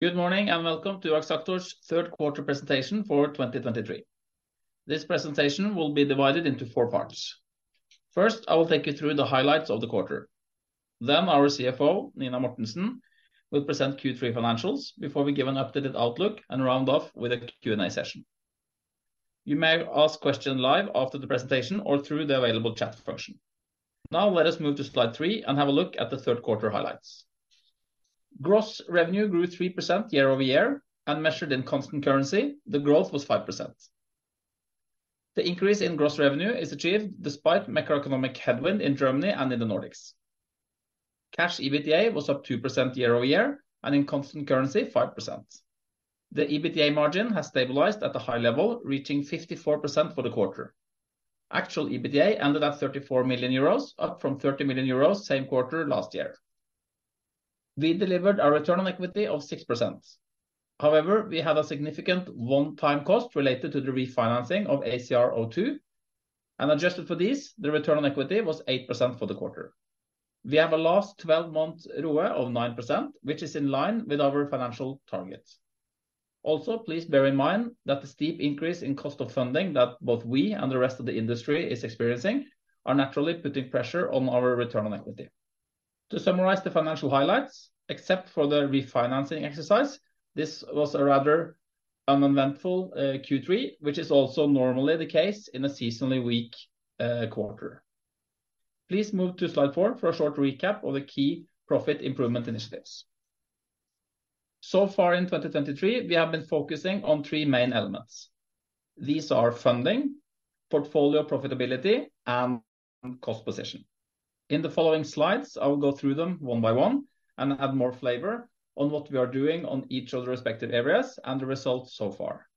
Good morning, and welcome to Axactor's third quarter presentation for 2023. This presentation will be divided into four parts. First, I will take you through the highlights of the quarter. Then our CFO, Nina Mortensen, will present Q3 financials before we give an updated outlook and round off with a Q&A session. You may ask questions live after the presentation or through the available chat function. Now, let us move to slide three and have a look at the third quarter highlights. Gross revenue grew 3% year-over-year, and measured in constant currency, the growth was 5%. The increase in gross revenue is achieved despite macroeconomic headwind in Germany and in the Nordics. Cash EBITDA was up 2% year-over-year, and in constant currency, 5%. The EBITDA margin has stabilized at a high level, reaching 54% for the quarter. Actual EBITDA ended at 34 million euros, up from 30 million euros same quarter last year. We delivered a return on equity of 6%. However, we had a significant one-time cost related to the refinancing of ACR02, and adjusted for this, the return on equity was 8% for the quarter. We have a last twelve-month ROE of 9%, which is in line with our financial targets. Also, please bear in mind that the steep increase in cost of funding, that both we and the rest of the industry is experiencing, are naturally putting pressure on our return on equity. To summarize the financial highlights, except for the refinancing exercise, this was a rather uneventful Q3, which is also normally the case in a seasonally weak quarter. Please move to slide four for a short recap of the key profit improvement initiatives. So far in 2023, we have been focusing on three main elements. These are funding, portfolio profitability, and cost position. In the following slides, I will go through them one by one and add more flavor on what we are doing on each of the respective areas and the results so far.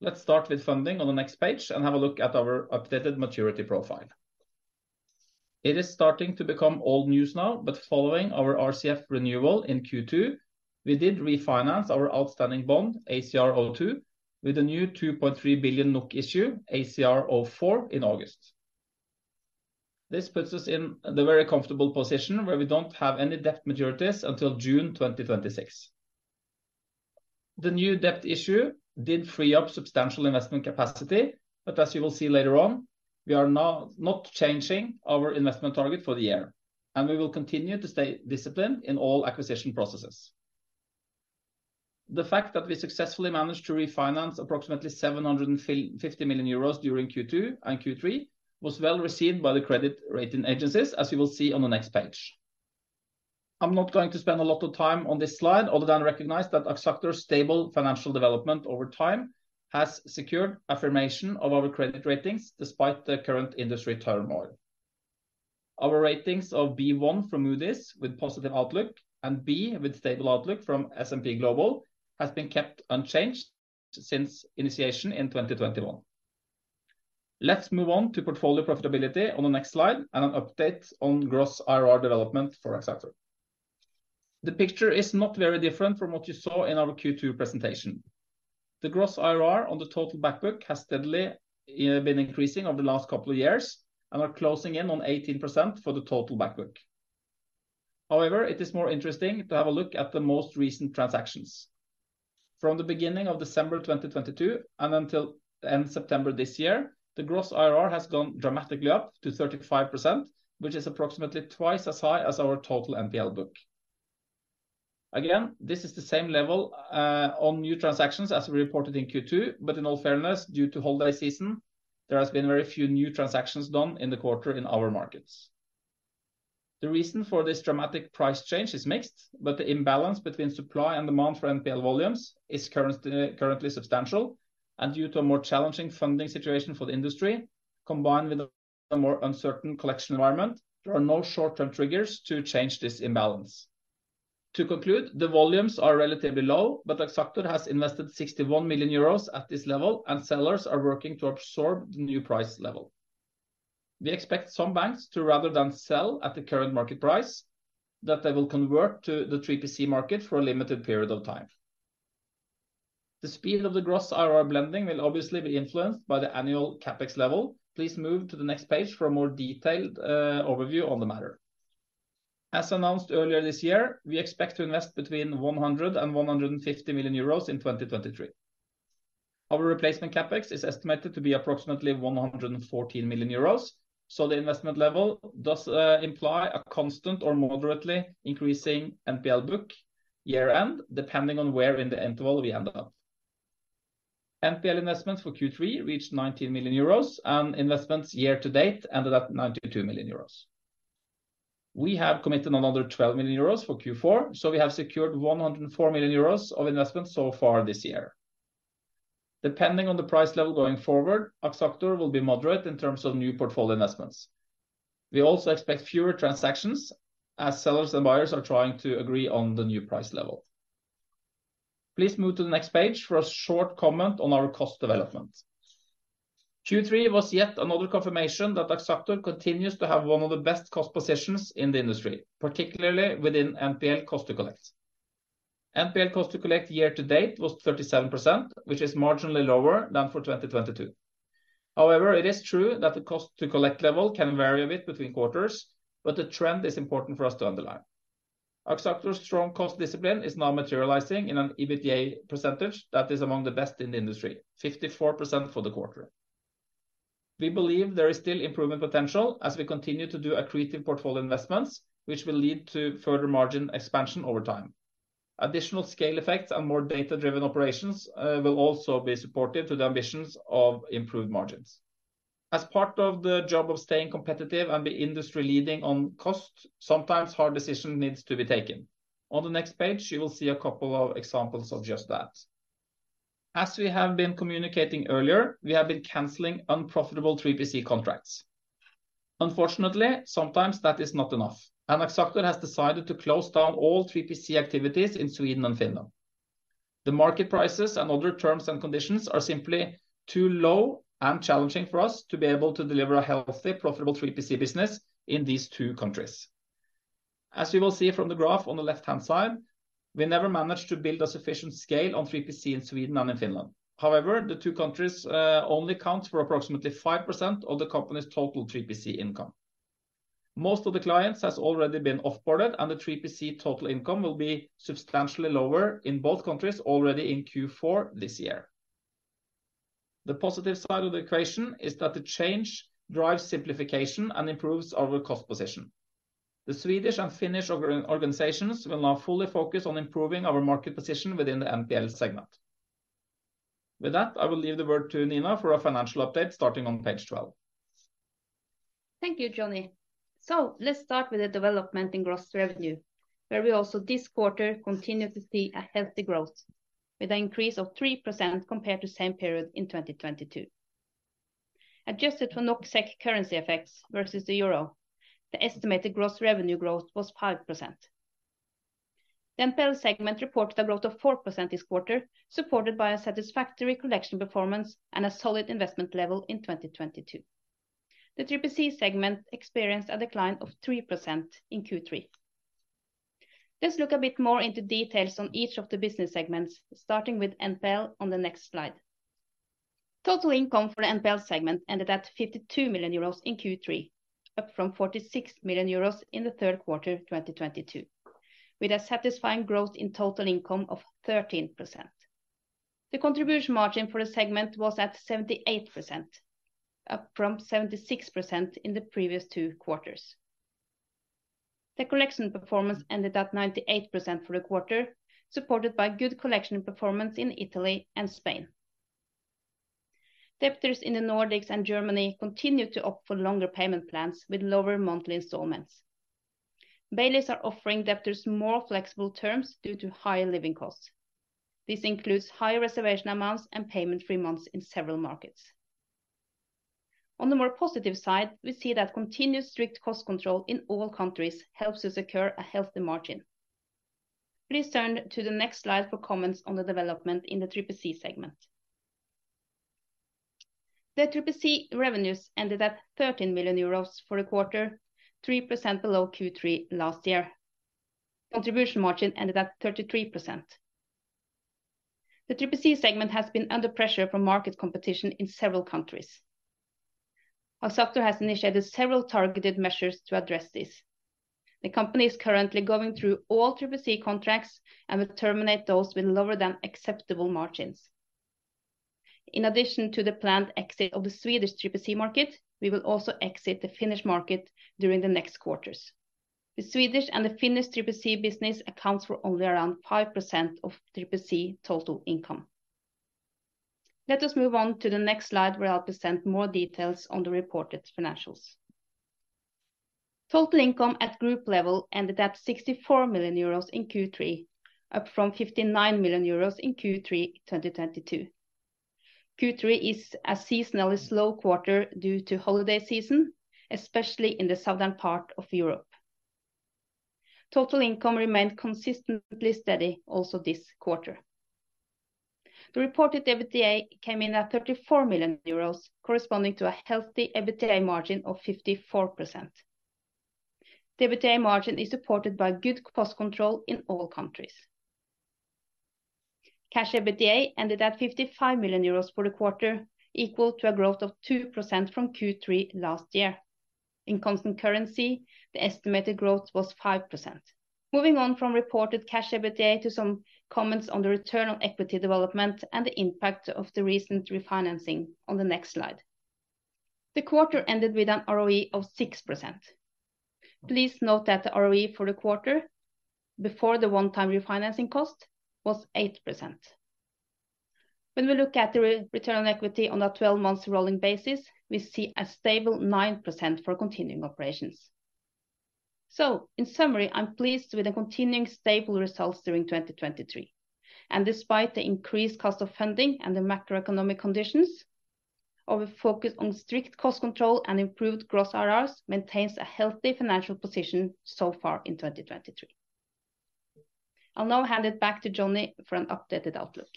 Let's start with funding on the next page and have a look at our updated maturity profile. It is starting to become old news now, but following our RCF renewal in Q2, we did refinance our outstanding bond, ACR02, with a new 2.3 billion NOK issue, ACR04, in August. This puts us in the very comfortable position where we don't have any debt maturities until June 2026. The new debt issue did free up substantial investment capacity, but as you will see later on, we are now not changing our investment target for the year, and we will continue to stay disciplined in all acquisition processes. The fact that we successfully managed to refinance approximately 750 million euros during Q2 and Q3 was well received by the credit rating agencies, as you will see on the next page. I'm not going to spend a lot of time on this slide, other than recognize that Axactor's stable financial development over time has secured affirmation of our credit ratings despite the current industry turmoil. Our ratings of B1 from Moody's, with positive outlook, and B, with stable outlook from S&P Global, has been kept unchanged since initiation in 2021. Let's move on to portfolio profitability on the next slide and an update on gross IRR development for Axactor. The picture is not very different from what you saw in our Q2 presentation. The gross IRR on the total back book has steadily been increasing over the last couple of years and are closing in on 18% for the total back book. However, it is more interesting to have a look at the most recent transactions. From the beginning of December 2022 and until end September this year, the gross IRR has gone dramatically up to 35%, which is approximately twice as high as our total NPL book. Again, this is the same level on new transactions as we reported in Q2, but in all fairness, due to holiday season, there has been very few new transactions done in the quarter in our markets. The reason for this dramatic price change is mixed, but the imbalance between supply and demand for NPL volumes is currently substantial, and due to a more challenging funding situation for the industry, combined with a more uncertain collection environment, there are no short-term triggers to change this imbalance. To conclude, the volumes are relatively low, but Axactor has invested 61 million euros at this level, and sellers are working to absorb the new price level. We expect some banks to rather than sell at the current market price, that they will convert to the 3PC market for a limited period of time. The speed of the gross IRR blending will obviously be influenced by the annual CapEx level. Please move to the next page for a more detailed overview on the matter. As announced earlier this year, we expect to invest between 100 million euros and 150 million euros in 2023. Our replacement CapEx is estimated to be approximately 114 million euros, so the investment level does imply a constant or moderately increasing NPL book year-end, depending on where in the interval we end up. NPL investments for Q3 reached 19 million euros, and investments year to date ended at 92 million euros. We have committed another 12 million euros for Q4, so we have secured 104 million euros of investment so far this year. Depending on the price level going forward, Axactor will be moderate in terms of new portfolio investments. We also expect fewer transactions as sellers and buyers are trying to agree on the new price level. Please move to the next page for a short comment on our cost development. Q3 was yet another confirmation that Axactor continues to have one of the best cost positions in the industry, particularly within NPL cost to collect. NPL cost to collect year to date was 37%, which is marginally lower than for 2022. However, it is true that the cost to collect level can vary a bit between quarters, but the trend is important for us to underline. Axactor's strong cost discipline is now materializing in an EBITDA percentage that is among the best in the industry, 54% for the quarter. We believe there is still improvement potential as we continue to do accretive portfolio investments, which will lead to further margin expansion over time. Additional scale effects and more data-driven operations will also be supportive to the ambitions of improved margins. As part of the job of staying competitive and the industry leading on cost, sometimes hard decision needs to be taken. On the next page, you will see a couple of examples of just that. As we have been communicating earlier, we have been canceling unprofitable 3PC contracts. Unfortunately, sometimes that is not enough, and Axactor has decided to close down all 3PC activities in Sweden and Finland. The market prices and other terms and conditions are simply too low and challenging for us to be able to deliver a healthy, profitable 3PC business in these two countries. As we will see from the graph on the left-hand side, we never managed to build a sufficient scale on 3PC in Sweden and in Finland. However, the two countries only account for approximately 5% of the company's total 3PC income. Most of the clients has already been off-boarded, and the 3PC total income will be substantially lower in both countries already in Q4 this year. The positive side of the equation is that the change drives simplification and improves our cost position. The Swedish and Finnish organizations will now fully focus on improving our market position within the NPL segment. With that, I will leave the word to Nina for a financial update, starting on page 12. Thank you, Johnny. So let's start with the development in gross revenue, where we also, this quarter, continue to see a healthy growth with an increase of 3% compared to same period in 2022. Adjusted for NOK/SEK currency effects versus the euro, the estimated gross revenue growth was 5%. The NPL segment reports a growth of 4% this quarter, supported by a satisfactory collection performance and a solid investment level in 2022. The 3PC segment experienced a decline of 3% in Q3. Let's look a bit more into details on each of the business segments, starting with NPL on the next slide. Total income for the NPL segment ended at 52 million euros in Q3, up from 46 million euros in the third quarter of 2022, with a satisfying growth in total income of 13%. The contribution margin for the segment was at 78%, up from 76% in the previous two quarters. The collection performance ended at 98% for the quarter, supported by good collection performance in Italy and Spain. Debtors in the Nordics and Germany continued to opt for longer payment plans with lower monthly installments. Bailiffs are offering debtors more flexible terms due to higher living costs. This includes higher reservation amounts and payment-free months in several markets. On the more positive side, we see that continuous strict cost control in all countries helps us accrue a healthy margin. Please turn to the next slide for comments on the development in the 3PC segment. The 3PC revenues ended at 13 million euros for the quarter, 3% below Q3 last year. Contribution margin ended at 33%. The 3PC segment has been under pressure from market competition in several countries. Axactor has initiated several targeted measures to address this. The company is currently going through all 3PC contracts and will terminate those with lower than acceptable margins. In addition to the planned exit of the Swedish 3PC market, we will also exit the Finnish market during the next quarters. The Swedish and the Finnish 3PC business accounts for only around 5% of 3PC total income. Let us move on to the next slide, where I'll present more details on the reported financials. Total income at group level ended at 64 million euros in Q3, up from 59 million euros in Q3 2022. Q3 is a seasonally slow quarter due to holiday season, especially in the southern part of Europe. Total income remained consistently steady also this quarter. The reported EBITDA came in at 34 million euros, corresponding to a healthy EBITDA margin of 54%. The EBITDA margin is supported by good cost control in all countries. Cash EBITDA ended at 55 million euros for the quarter, equal to a growth of 2% from Q3 last year. In constant currency, the estimated growth was 5%. Moving on from reported cash EBITDA to some comments on the return on equity development and the impact of the recent refinancing on the next slide. The quarter ended with an ROE of 6%. Please note that the ROE for the quarter, before the one-time refinancing cost, was 8%. When we look at the return on equity on a 12-month rolling basis, we see a stable 9% for continuing operations. So in summary, I'm pleased with the continuing stable results during 2023. Despite the increased cost of funding and the macroeconomic conditions, our focus on strict cost control and improved gross IRRs maintains a healthy financial position so far in 2023. I'll now hand it back to Johnny for an updated outlook.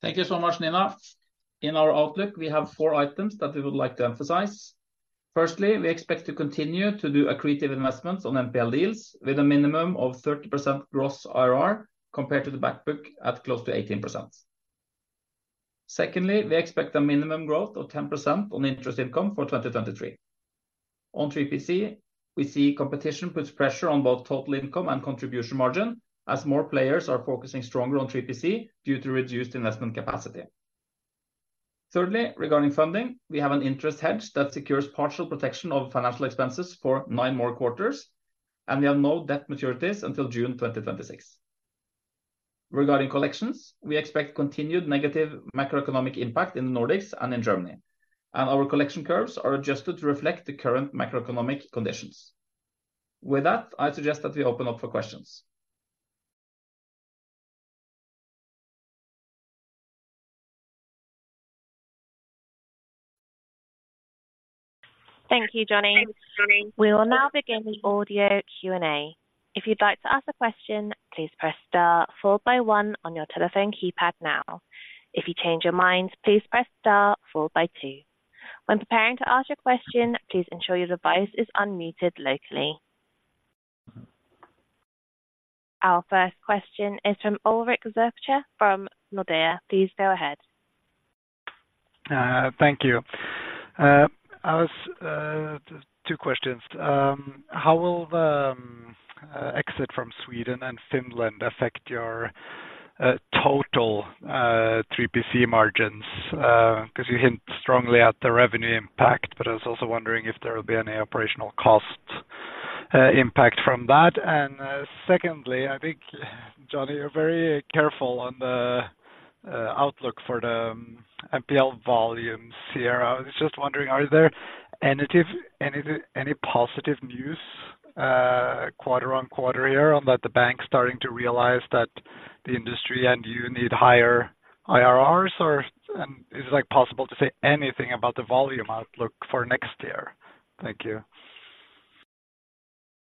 Thank you so much, Nina. In our outlook, we have four items that we would like to emphasize. ... firstly, we expect to continue to do accretive investments on NPL deals with a minimum of 30% gross IRR compared to the back book at close to 18%. Secondly, we expect a minimum growth of 10% on interest income for 2023. On 3PC, we see competition puts pressure on both total income and contribution margin, as more players are focusing stronger on 3PC due to reduced investment capacity. Thirdly, regarding funding, we have an interest hedge that secures partial protection of financial expenses for 9 more quarters, and we have no debt maturities until June 2026. Regarding collections, we expect continued negative macroeconomic impact in the Nordics and in Germany, and our collection curves are adjusted to reflect the current macroeconomic conditions. With that, I suggest that we open up for questions. Thank you, Johnny. We will now begin the audio Q&A. If you'd like to ask a question, please press star followed by one on your telephone keypad now. If you change your mind, please press star followed by two. When preparing to ask your question, please ensure your device is unmuted locally. Our first question is from Ulrik Zürcher from Nordea. Please go ahead. Thank you. I was two questions. How will the exit from Sweden and Finland affect your total 3PC margins? Because you hint strongly at the revenue impact, but I was also wondering if there will be any operational cost impact from that. Secondly, I think, Johnny, you're very careful on the outlook for the NPL volume here. I was just wondering, are there any positive news quarter-over-quarter here, on that the bank starting to realize that the industry and you need higher IRRs, or, and is it, like, possible to say anything about the volume outlook for next year? Thank you.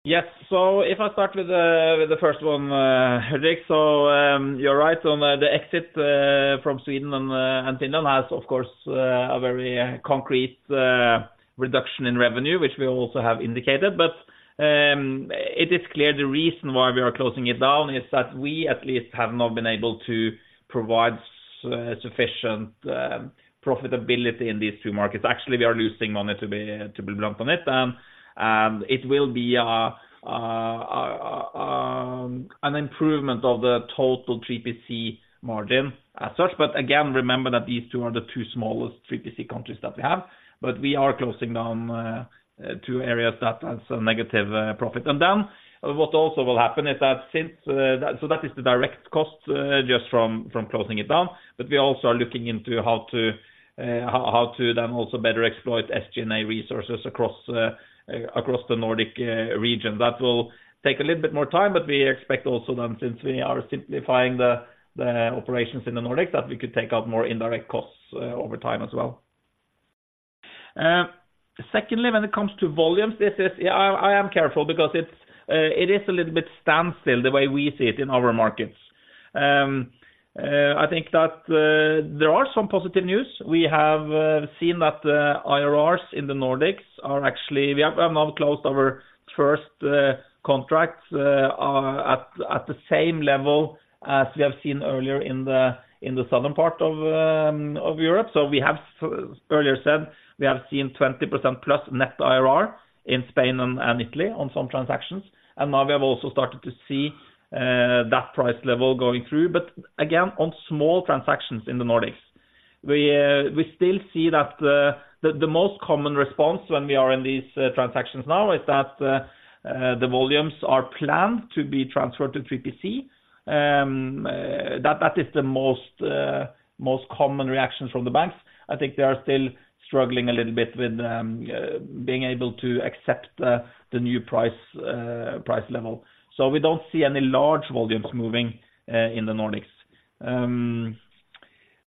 Yes. So if I start with the, with the first one, Ulrik, so, you're right on the exit, from Sweden and, and Finland has, of course, a very concrete, reduction in revenue, which we also have indicated. But, it is clear the reason why we are closing it down is that we at least have not been able to provide sufficient, profitability in these two markets. Actually, we are losing money, to be, to be blunt on it, and it will be, an improvement of the total 3PC margin as such. But again, remember that these two are the two smallest 3PC countries that we have. But we are closing down, two areas that has a negative, profit. And then, what also will happen is that since,... So that is the direct cost just from closing it down. But we also are looking into how to then also better exploit SG&A resources across the Nordic region. That will take a little bit more time, but we expect also then, since we are simplifying the operations in the Nordics, that we could take out more indirect costs over time as well. Secondly, when it comes to volumes, this is—I am careful because it is a little bit standstill, the way we see it in our markets. I think that there are some positive news. We have seen that the IRRs in the Nordics are actually... We have now closed our first contracts at the same level as we have seen earlier in the southern part of Europe. So we have earlier said, we have seen 20%+ net IRR in Spain and Italy on some transactions, and now we have also started to see that price level going through. But again, on small transactions in the Nordics. We still see that the most common response when we are in these transactions now is that the volumes are planned to be transferred to 3PC. That is the most common reaction from the banks. I think they are still struggling a little bit with being able to accept the new price price level. So we don't see any large volumes moving in the Nordics.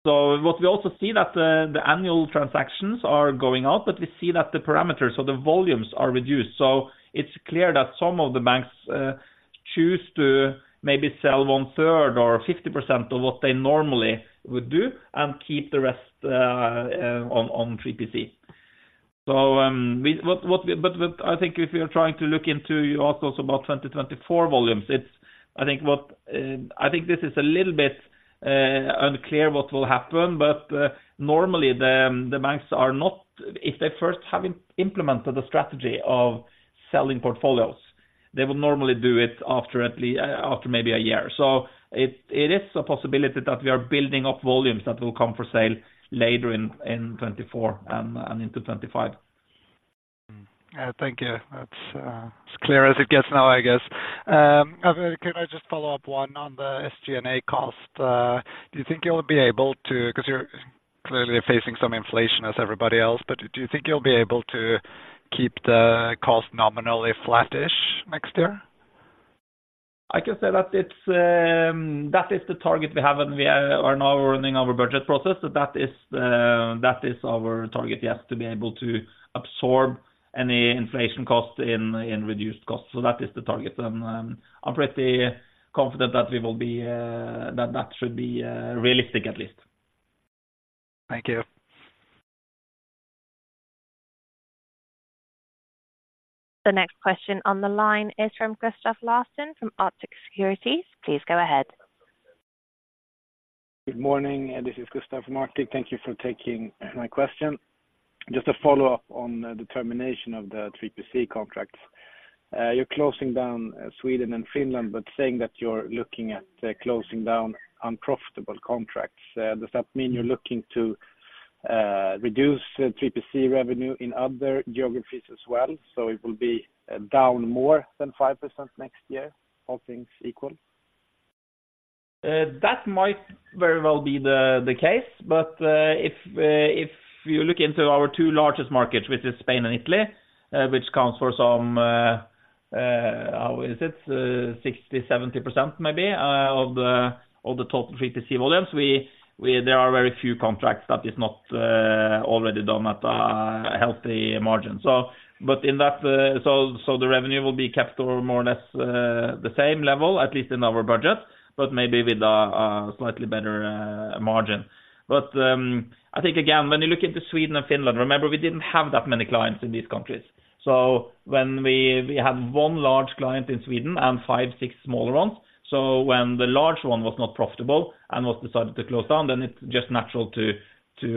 So what we also see that the annual transactions are going up, but we see that the parameters or the volumes are reduced. So it's clear that some of the banks choose to maybe sell one third or 50% of what they normally would do, and keep the rest on 3PC. So but I think if you're trying to look into you ask also about 2024 volumes, it's I think this is a little bit unclear what will happen, but normally the banks are not—If they first have implemented a strategy of selling portfolios, they will normally do it after at least after maybe a year. It is a possibility that we are building up volumes that will come for sale later in 2024 and into 2025. Mm-hmm. Thank you. That's as clear as it gets now, I guess. Could I just follow up one on the SG&A cost? Do you think you'll be able to, because you're clearly facing some inflation as everybody else, but do you think you'll be able to keep the cost nominally flattish next year? I can say that it's that is the target we have, and we are now running our budget process. So that is that is our target, yes, to be able to absorb any inflation cost in reduced costs. So that is the target, and I'm pretty confident that we will be that should be realistic, at least. Thank you. The next question on the line is from Kristoffer Skeie from Arctic Securities. Please go ahead. Good morning, this is Kristoffer Skeie. Thank you for taking my question. Just a follow-up on the termination of the 3PC contracts. You're closing down Sweden and Finland, but saying that you're looking at closing down unprofitable contracts, does that mean you're looking to reduce 3PC revenue in other geographies as well? So it will be down more than 5% next year, all things equal. That might very well be the case, but if you look into our two largest markets, which is Spain and Italy, which counts for some, how is it? 60%-70% maybe, of the total 3PC volumes, there are very few contracts that is not already done at a healthy margin. So, but in that, so the revenue will be kept to more or less the same level, at least in our budget, but maybe with a slightly better margin. But I think, again, when you look into Sweden and Finland, remember, we didn't have that many clients in these countries. So when we had one large client in Sweden and 5, 6 smaller ones. So when the large one was not profitable and was decided to close down, then it's just natural to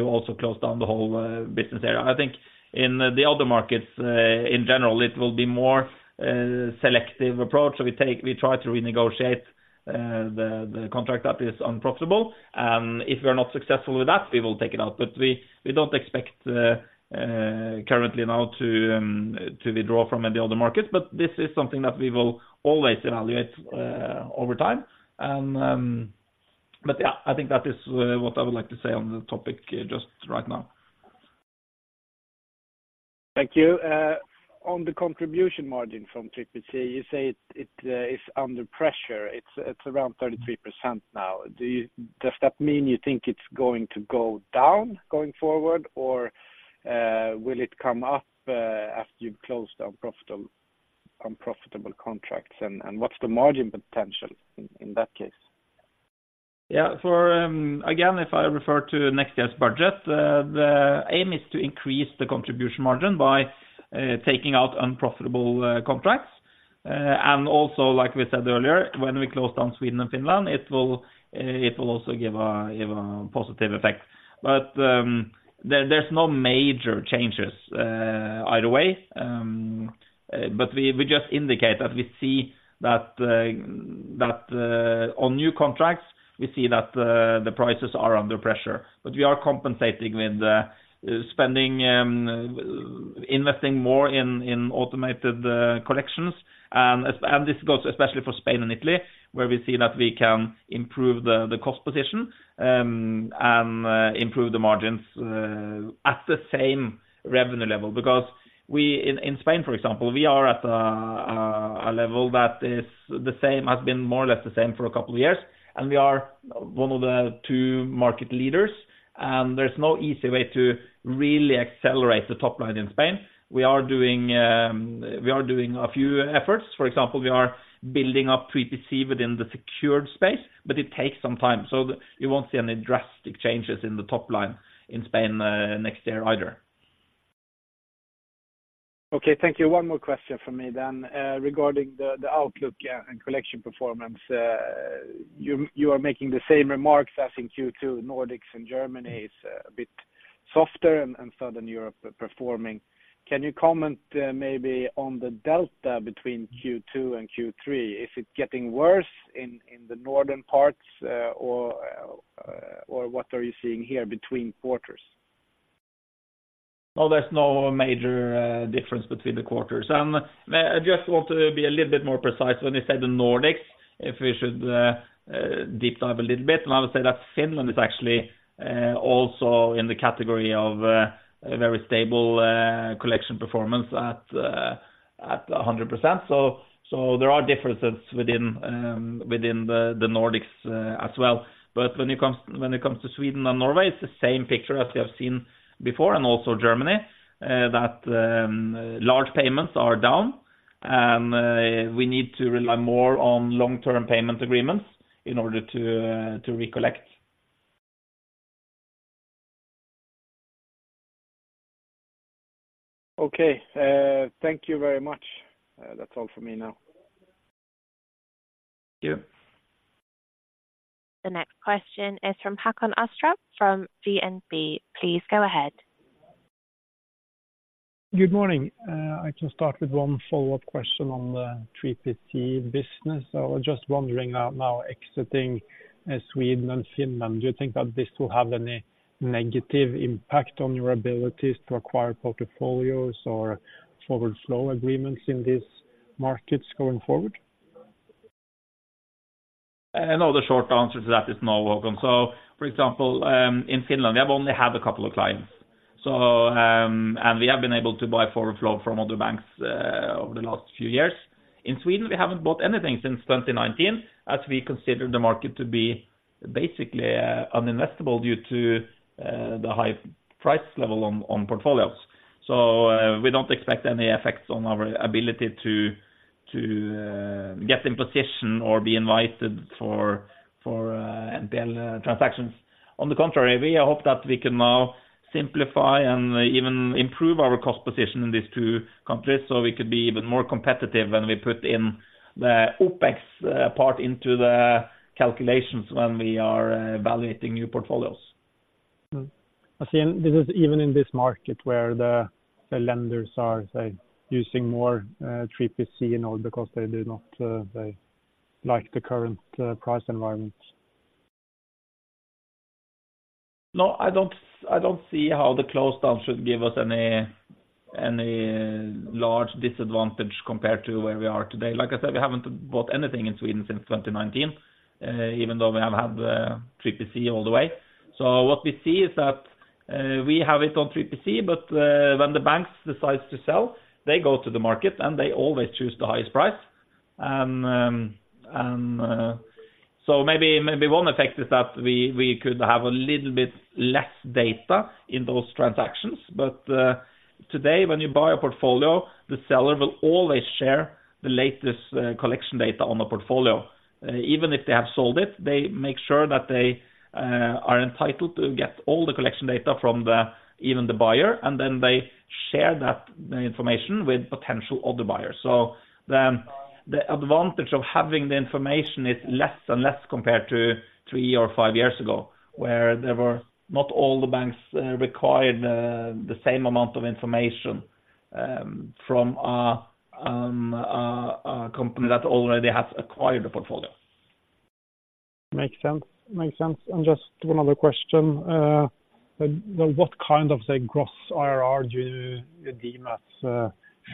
also close down the whole business area. I think in the other markets, in general, it will be more selective approach. So we try to renegotiate the contract that is unprofitable. And if we are not successful with that, we will take it out. But we don't expect, currently now, to withdraw from any other markets, but this is something that we will always evaluate over time. And but, yeah, I think that is what I would like to say on the topic just right now. Thank you. On the contribution margin from 3PC, you say it is under pressure. It's around 33% now. Does that mean you think it's going to go down going forward, or will it come up after you've closed unprofitable contracts? And what's the margin potential in that case? Yeah. For again, if I refer to next year's budget, the aim is to increase the contribution margin by taking out unprofitable contracts. And also, like we said earlier, when we close down Sweden and Finland, it will also give a positive effect. But, there's no major changes either way. But we just indicate that we see that on new contracts, we see that the prices are under pressure. But we are compensating with spending, investing more in automated collections. And this goes especially for Spain and Italy, where we see that we can improve the cost position and improve the margins at the same revenue level. Because in Spain, for example, we are at a level that is the same, has been more or less the same for a couple of years, and we are one of the two market leaders, and there's no easy way to really accelerate the top line in Spain. We are doing a few efforts. For example, we are building up 3PC within the secured space, but it takes some time. So you won't see any drastic changes in the top line in Spain, next year either. Okay, thank you. One more question for me then. Regarding the outlook and collection performance, you are making the same remarks as in Q2, Nordics and Germany is a bit softer and Southern Europe are performing. Can you comment maybe on the delta between Q2 and Q3? Is it getting worse in the northern parts, or what are you seeing here between quarters? No, there's no major difference between the quarters. And I just want to be a little bit more precise when you say the Nordics, if we should deep dive a little bit, and I would say that Finland is actually also in the category of a very stable collection performance at a 100%. So there are differences within the Nordics as well. But when it comes to Sweden and Norway, it's the same picture as we have seen before, and also Germany, that large payments are down, and we need to rely more on long-term payment agreements in order to recollect. Okay, thank you very much. That's all for me now. Thank you. The next question is from Håkon Astrup from DNB. Please go ahead. Good morning. I can start with one follow-up question on the 3PC business. I was just wondering, now exiting, Sweden and Finland, do you think that this will have any negative impact on your abilities to acquire portfolios or forward flow agreements in these markets going forward? No, the short answer to that is no, welcome. So, for example, in Finland, we have only had a couple of clients. So, and we have been able to buy forward flow from other banks over the last few years. In Sweden, we haven't bought anything since 2019, as we consider the market to be basically uninvestable due to the high price level on portfolios. So, we don't expect any effects on our ability to get in position or be invited for NPL transactions. On the contrary, we hope that we can now simplify and even improve our cost position in these two countries, so we could be even more competitive when we put in the OPEX part into the calculations when we are evaluating new portfolios. Mm. I see, and this is even in this market where the lenders are, say, using more 3PC, you know, because they do not, they like the current price environment? No, I don't, I don't see how the close down should give us any any large disadvantage compared to where we are today. Like I said, we haven't bought anything in Sweden since 2019, even though we have had the 3PC all the way. So what we see is that, we have it on 3PC, but, when the banks decides to sell, they go to the market, and they always choose the highest price. And, and, so maybe, maybe one effect is that we, we could have a little bit less data in those transactions, but, today, when you buy a portfolio, the seller will always share the latest, collection data on the portfolio. Even if they have sold it, they make sure that they are entitled to get all the collection data from even the buyer, and then they share that information with potential other buyers. So then the advantage of having the information is less and less compared to three or five years ago, where there were not all the banks required the same amount of information from a company that already has acquired a portfolio. Makes sense. Makes sense. And just one other question. Well, what kind of, say, Gross IRR do you deem as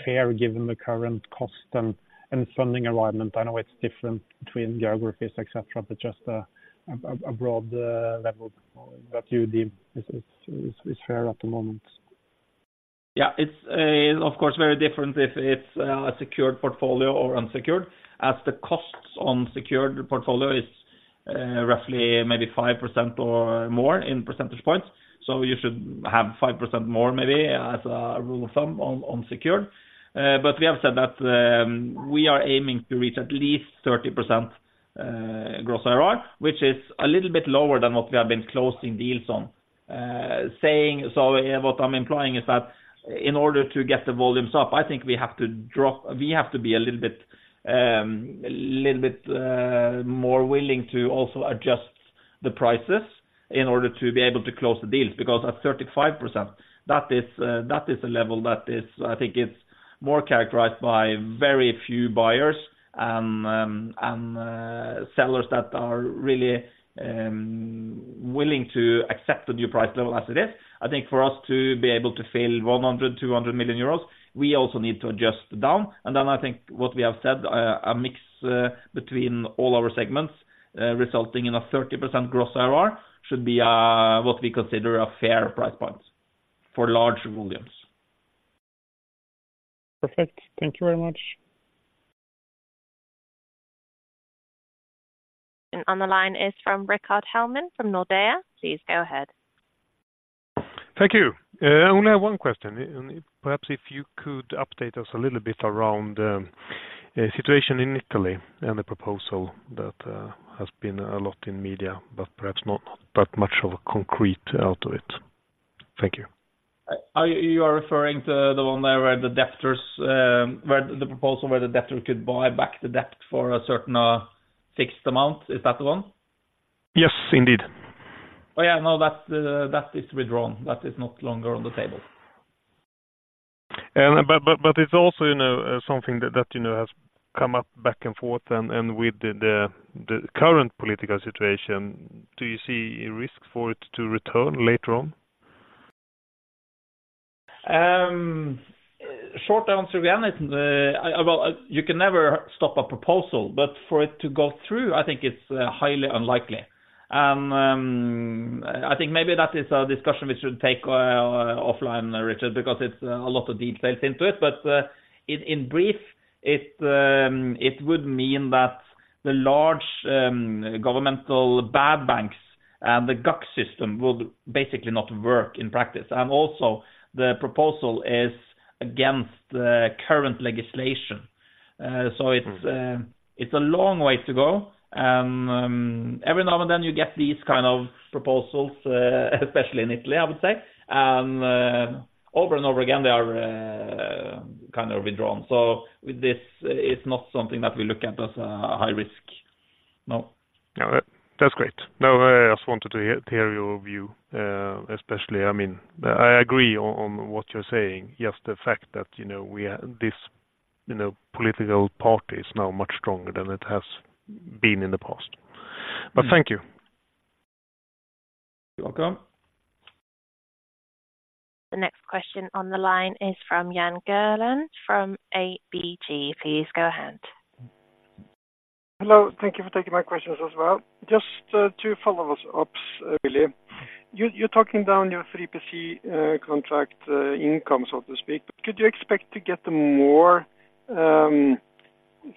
fair, given the current cost and funding environment? I know it's different between geographies, et cetera, et cetera, but just a broad level that you deem is fair at the moment. Yeah, it's, of course, very different if it's a secured portfolio or unsecured, as the costs on secured portfolio is roughly maybe 5% or more in percentage points. So you should have 5% more, maybe, as a rule of thumb on secured. But we have said that we are aiming to reach at least 30%, Gross IRR, which is a little bit lower than what we have been closing deals on. So what I'm implying is that in order to get the volumes up, I think we have to be a little bit more willing to also adjust the prices in order to be able to close the deals. Because at 35%, that is, that is a level that is, I think it's more characterized by very few buyers and sellers that are really willing to accept the new price level as it is. I think for us to be able to fill 100 million-200 million euros, we also need to adjust down. And then I think what we have said, a mix between all our segments, resulting in a 30% Gross IRR, should be what we consider a fair price point for large volumes. Perfect. Thank you very much. On the line is from Rickard Hellman, from Nordea. Please go ahead. Thank you. Only have one question, and perhaps if you could update us a little bit around situation in Italy and the proposal that has been a lot in media, but perhaps not that much of a concrete out of it. Thank you. You are referring to the one where the debtors, where the proposal where the debtor could buy back the debt for a certain, fixed amount? Is that the one? Yes, indeed. Oh, yeah. No, that, that is withdrawn. That is no longer on the table. But it's also, you know, something that, you know, has come up back and forth, and with the current political situation, do you see a risk for it to return later on? Short answer again is well, you can never stop a proposal, but for it to go through, I think it's highly unlikely. And I think maybe that is a discussion we should take offline, Rickard, because it's a lot of details into it. But in brief, it would mean that the large governmental bad banks and the GACS system would basically not work in practice. And also, the proposal is against the current legislation. So it's, Mm. It's a long way to go. And every now and then, you get these kind of proposals, especially in Italy, I would say. And over and over again, they are kind of withdrawn. So with this, it's not something that we look at as a high risk. No. No, that's great. No, I just wanted to hear your view, especially. I mean, I agree on what you're saying. Just the fact that, you know, we are—this, you know, political party is now much stronger than it has been in the past. But thank you. You're welcome. The next question on the line is from Jan Erik Gjerland, from ABG. Please go ahead. Hello, thank you for taking my questions as well. Just, two follow-ups, really. You, you're talking down your 3PC, contract, income, so to speak, but could you expect to get more,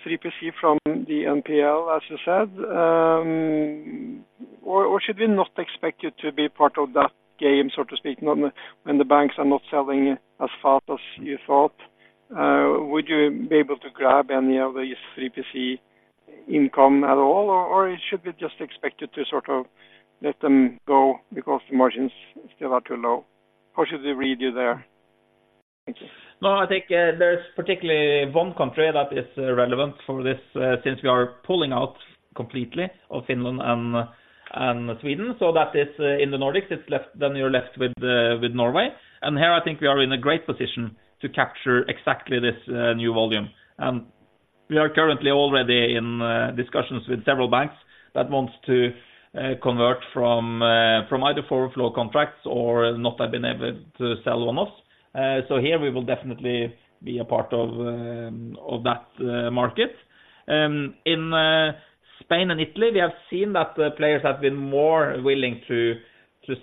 3PC from the NPL, as you said? Or, or should we not expect you to be part of that game, so to speak, when the, when the banks are not selling as fast as you thought? Would you be able to grab any of these 3PC income at all? Or should we just expect you to sort of let them go because the margins still are too low? How should we read you there? Thank you. No, I think, there's particularly one country that is relevant for this, since we are pulling out completely of Finland and Sweden. So that is in the Nordics, it's left, then you're left with Norway. And here, I think we are in a great position to capture exactly this new volume. And we are currently already in discussions with several banks that wants to convert from either forward flow contracts or not have been able to sell on us. So here we will definitely be a part of that market. In Spain and Italy, we have seen that the players have been more willing to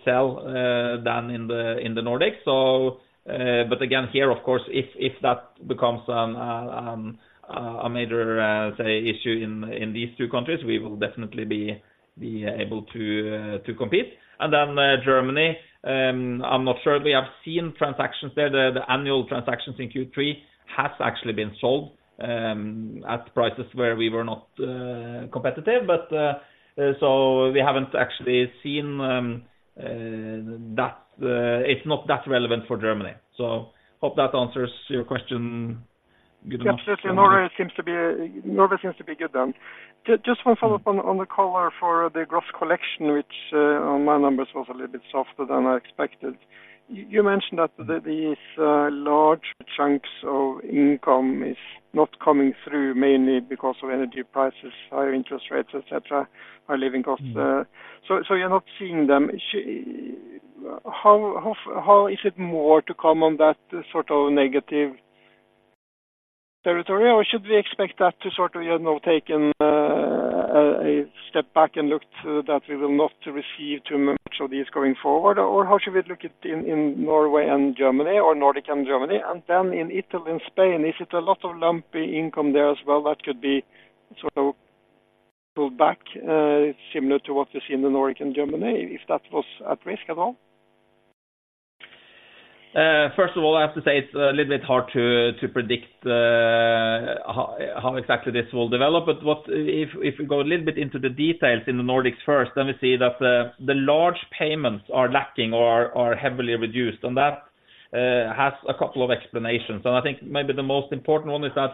sell than in the Nordics. But again, here, of course, if that becomes a major, say, issue in these two countries, we will definitely be able to compete. And then, Germany, I'm not sure. We have seen transactions there. The annual transactions in Q3 has actually been sold at prices where we were not competitive, but so we haven't actually seen that. It's not that relevant for Germany. Hope that answers your question good enough. Absolutely. Norway seems to be good then. Just one follow-up on the color for the gross collection, which, on my numbers, was a little bit softer than I expected. You mentioned that these large chunks of income is not coming through, mainly because of energy prices, higher interest rates, et cetera, high living costs. Mm. So, so you're not seeing them. How is it more to come on that sort of negative territory? Or should we expect that to sort of take a step back and look to that we will not receive too much of these going forward? Or how should we look at in Norway and Germany or Nordic and Germany? And then in Italy and Spain, is it a lot of lumpy income there as well, that could be sort of pulled back, similar to what you see in the Nordic and Germany, if that was at risk at all? First of all, I have to say it's a little bit hard to predict how exactly this will develop. But if we go a little bit into the details in the Nordics first, then we see that the large payments are lacking or are heavily reduced, and that has a couple of explanations. So I think maybe the most important one is that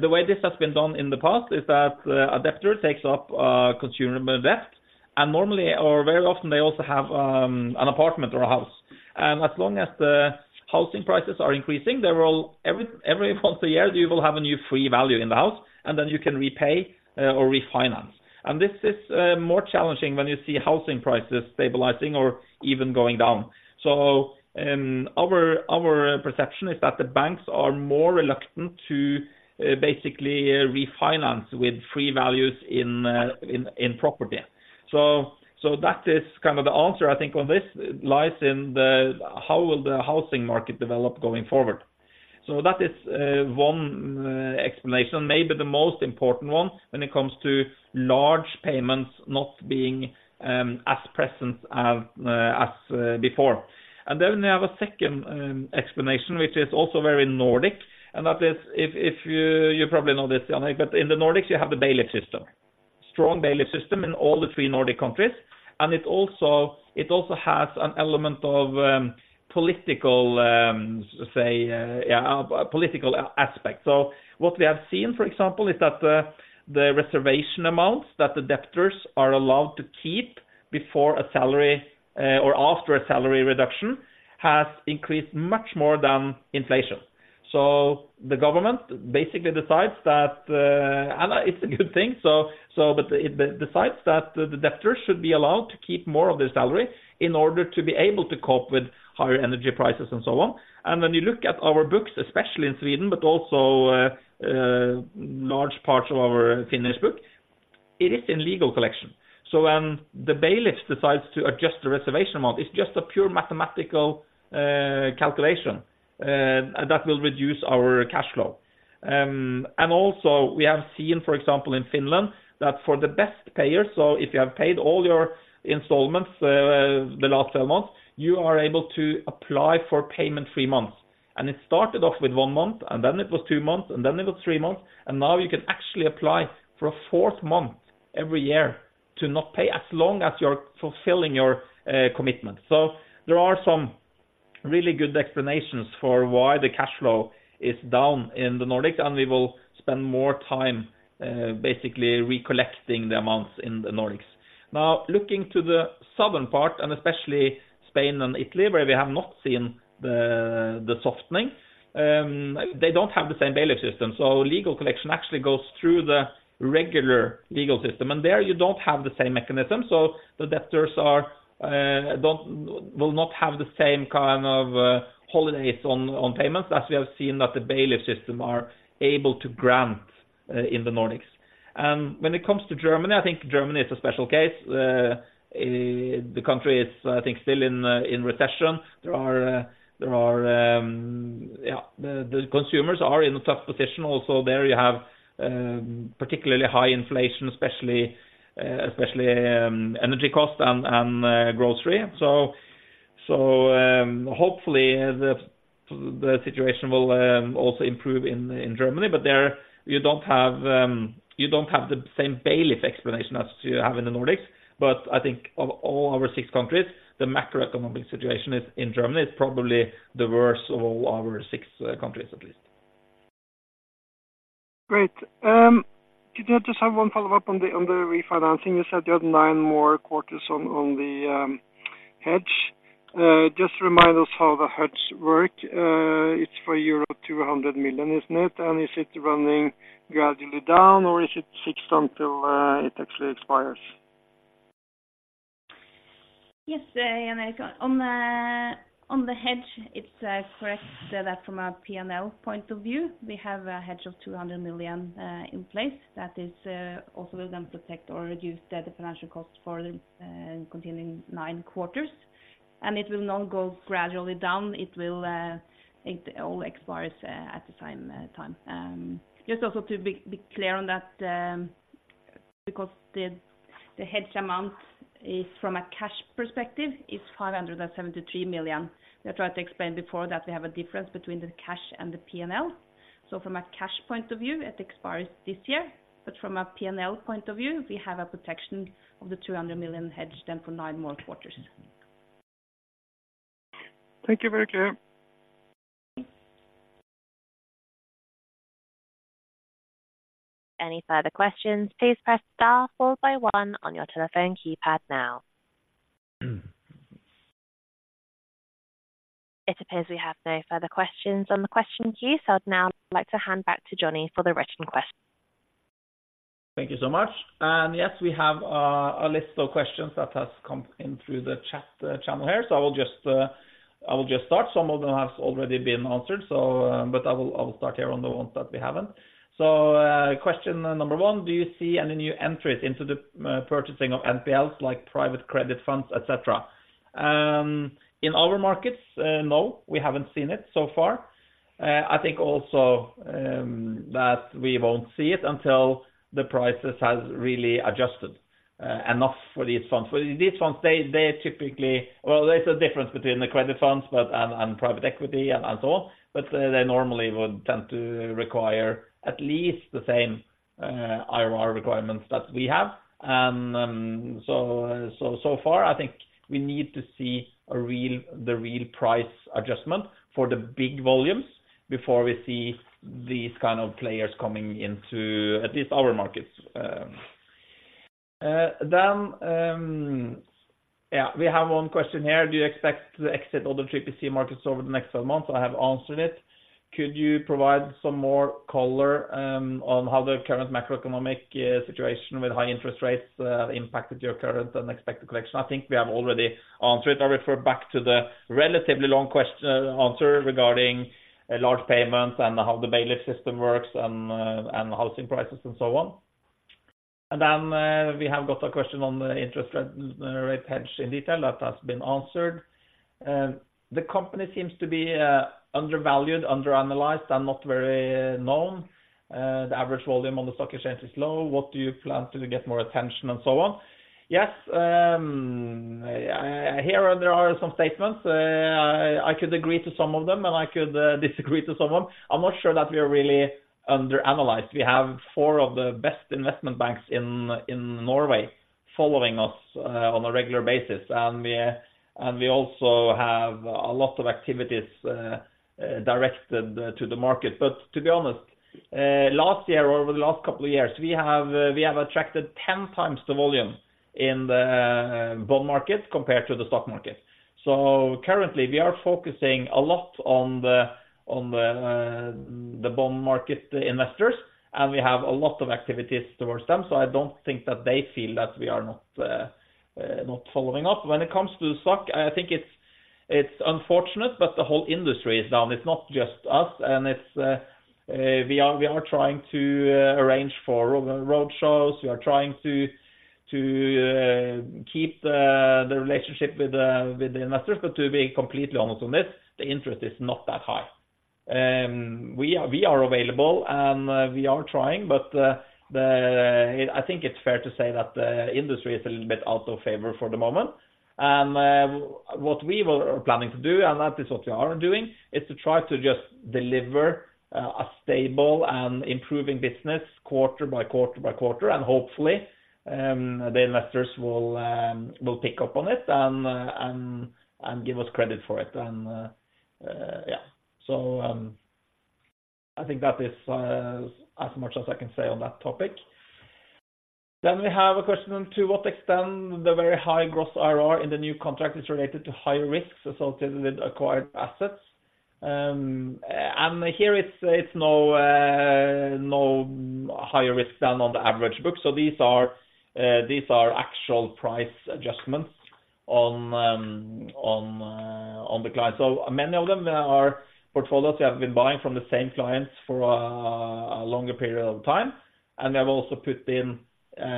the way this has been done in the past is that a debtor takes up consumer debt, and normally, or very often, they also have an apartment or a house. And as long as the housing prices are increasing, they will every once a year you will have a new free value in the house, and then you can repay or refinance. This is more challenging when you see housing prices stabilizing or even going down. So, our perception is that the banks are more reluctant to basically refinance with free values in property. So that is kind of the answer, I think, on this. It lies in the how will the housing market develop going forward? So that is one explanation, maybe the most important one when it comes to large payments not being as present as before. And then we have a second explanation, which is also very Nordic, and that is you probably know this, Yannick, but in the Nordics, you have the bailiff system. Strong bailiff system in all the three Nordic countries, and it also has an element of, political, say, political aspect. So what we have seen, for example, is that the reservation amounts that the debtors are allowed to keep before a salary, or after a salary reduction, has increased much more than inflation. So the government basically decides that, and it's a good thing, so, but it decides that the debtors should be allowed to keep more of their salary in order to be able to cope with higher energy prices and so on. And when you look at our books, especially in Sweden, but also, large parts of our Finnish book, it is in legal collection. So when the bailiffs decides to adjust the reservation amount, it's just a pure mathematical, calculation, and that will reduce our cash flow. And also we have seen, for example, in Finland, that for the best payers, so if you have paid all your installments, the last 12 months, you are able to apply for payment free months. And it started off with one month, and then it was two months, and then it was three months, and now you can actually apply for a fourth month every year to not pay, as long as you're fulfilling your, commitment. So there are some really good explanations for why the cash flow is down in the Nordics, and we will spend more time, basically, recollecting the amounts in the Nordics. Now, looking to the southern part, and especially Spain and Italy, where we have not seen the softening, they don't have the same bailiff system, so legal collection actually goes through the regular legal system, and there you don't have the same mechanism. So the debtors are will not have the same kind of holidays on payments as we have seen that the bailiff system are able to grant in the Nordics. And when it comes to Germany, I think Germany is a special case. The country is, I think, still in recession. There are the consumers are in a tough position. Also there, you have particularly high inflation, especially, especially, energy cost and grocery. So-... So, hopefully the situation will also improve in Germany, but there you don't have the same bailiff explanation as you have in the Nordics. But I think of all our six countries, the macroeconomic situation in Germany is probably the worst of all our six countries at least. Great. Could I just have one follow-up on the refinancing? You said you had nine more quarters on the hedge. Just remind us how the hedge work. It's for euro 200 million, isn't it? And is it running gradually down, or is it fixed until it actually expires? Yes, Jan Erik. On the hedge, it's correct that from a P&L point of view, we have a hedge of 200 million in place. That is also will then protect or reduce the financial cost for the continuing 9 quarters. And it will not go gradually down, it will it all expires at the same time. Just also to be clear on that, because the hedge amount is from a cash perspective, is 573 million. We tried to explain before that we have a difference between the cash and the P&L. So from a cash point of view, it expires this year, but from a P&L point of view, we have a protection of the 200 million hedge then for 9 more quarters. Thank you, very clear. Any further questions, please press star followed by one on your telephone keypad now. It appears we have no further questions on the question queue, so I'd now like to hand back to Johnny for the written question. Thank you so much. And yes, we have a list of questions that has come in through the chat channel here. So I will just start. Some of them have already been answered, so but I will start here on the ones that we haven't. So question number one: Do you see any new entries into the purchasing of NPLs, like private credit funds, et cetera? In our markets, no, we haven't seen it so far. I think also that we won't see it until the prices has really adjusted enough for these funds. For these funds, they typically. Well, there's a difference between the credit funds, but and private equity and so on. But they normally would tend to require at least the same IRR requirements that we have. So far, I think we need to see the real price adjustment for the big volumes before we see these kind of players coming into at least our markets. Then, yeah, we have one question here: Do you expect to exit all the 3PC markets over the next several months? I have answered it. Could you provide some more color on how the current macroeconomic situation with high interest rates impacted your current and expected collection? I think we have already answered. I refer back to the relatively long question, answer regarding large payments and how the bailiff system works, and housing prices and so on. And then, we have got a question on the interest rate, rate hedge in detail that has been answered. The company seems to be undervalued, underanalyzed, and not very known. The average volume on the stock exchange is low. What do you plan to get more attention and so on? Yes, here there are some statements. I could agree to some of them, and I could disagree to some of them. I'm not sure that we are really underanalyzed. We have four of the best investment banks in Norway following us on a regular basis, and we also have a lot of activities directed to the market. But to be honest, last year or over the last couple of years, we have attracted ten times the volume in the bond market compared to the stock market. So currently, we are focusing a lot on the bond market investors, and we have a lot of activities towards them, so I don't think that they feel that we are not following up. When it comes to stock, I think it's unfortunate, but the whole industry is down. It's not just us, and we are trying to arrange for road shows. We are trying to keep the relationship with the investors, but to be completely honest on this, the interest is not that high. We are available and we are trying, but the... I think it's fair to say that the industry is a little bit out of favor for the moment. What we were planning to do, and that is what we are doing, is to try to just deliver a stable and improving business quarter by quarter by quarter, and hopefully the investors will pick up on it and give us credit for it. Yeah. I think that is as much as I can say on that topic. Then we have a question: To what extent the very high Gross IRR in the new contract is related to higher risks associated with acquired assets? And here it's no higher risk than on the average book. So these are actual price adjustments on the client. So many of them are portfolios we have been buying from the same clients for a longer period of time, and they've also put in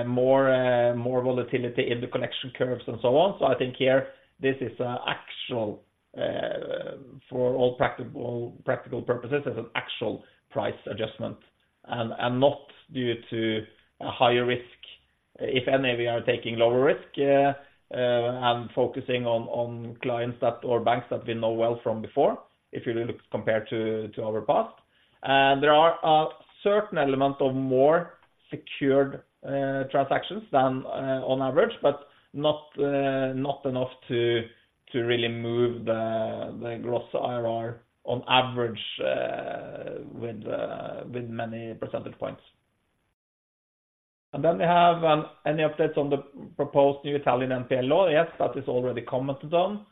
more volatility in the collection curves and so on. So I think here, this is an actual, for all practical purposes, is an actual price adjustment and not due to a higher risk. If any, we are taking lower risk and focusing on clients that, or banks that we know well from before, if you look compared to our past. And there are a certain element of more secured transactions than on average, but not enough to really move the gross IRR on average with many percentage points. And then we have any updates on the proposed new Italian NPL law? Yes, that is already commented on.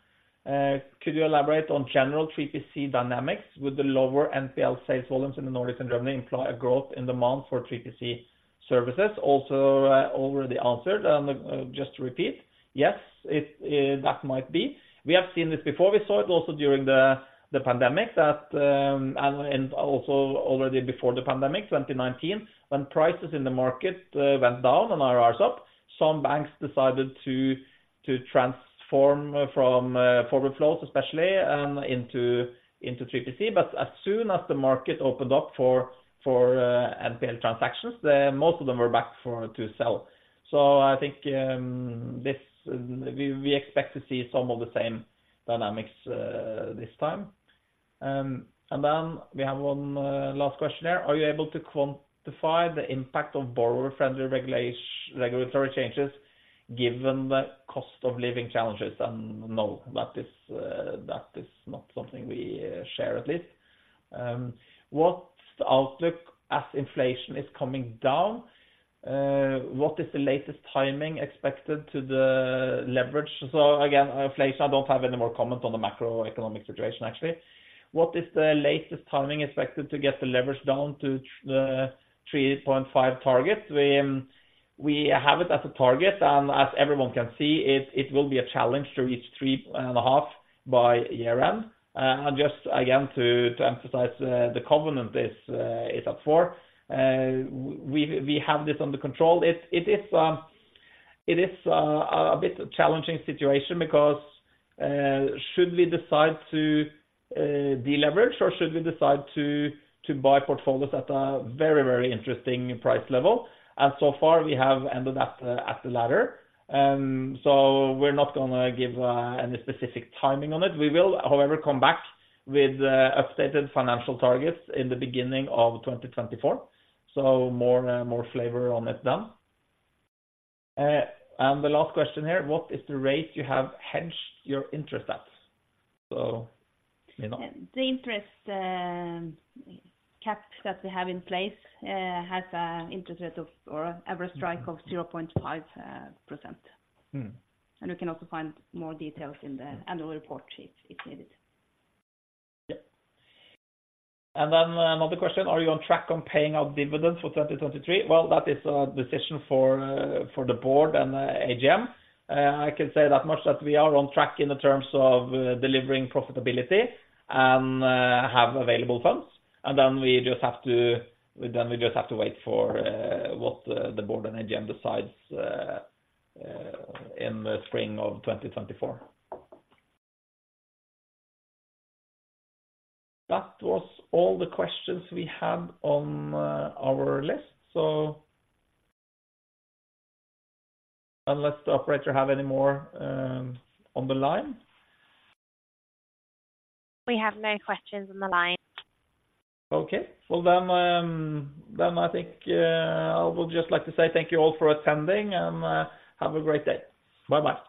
Could you elaborate on general 3PC dynamics with the lower NPL sales volumes in the Nordics and Germany imply a growth in demand for 3PC services? Also already answered, and just to repeat, yes, it, that might be. We have seen this before. We saw it also during the pandemic that, and also already before the pandemic, 2019, when prices in the market went down and IRRs up, some banks decided to transform from forward flows, especially, into 3PC. But as soon as the market opened up for NPL transactions, the most of them were back for to sell. So I think, this, we expect to see some of the same dynamics, this time. And then we have one last question there. Are you able to quantify the impact of borrower-friendly regulatory changes given the cost of living challenges? And no, that is, that is not something we share, at least. What's the outlook as inflation is coming down? What is the latest timing expected to the leverage? So again, inflation, I don't have any more comment on the macroeconomic situation, actually. What is the latest timing expected to get the leverage down to the 3.5 target? We, we have it as a target, and as everyone can see, it, it will be a challenge to reach 3.5 by year-end. And just again, to, to emphasize, the covenant is at 4. We, we have this under control. It is a bit challenging situation because should we decide to deleverage or should we decide to buy portfolios at a very, very interesting price level? And so far, we have ended up at the latter. So we're not going to give any specific timing on it. We will, however, come back with updated financial targets in the beginning of 2024. So more flavor on it then. And the last question here, what is the rate you have hedged your interest at? So Nina. The interest caps that we have in place has a interest rate of, or average strike of 0.5%. Mm-hmm. You can also find more details in the annual report sheet, if needed. Yep. And then another question: Are you on track on paying out dividends for 2023? Well, that is a decision for the board and AGM. I can say that much, that we are on track in the terms of delivering profitability and have available funds, and then we just have to, then we just have to wait for what the board and AGM decides in the spring of 2024. That was all the questions we had on our list, so unless the operator have any more on the line? We have no questions on the line. Okay. Well, then I think I would just like to say thank you all for attending, and have a great day. Bye-bye.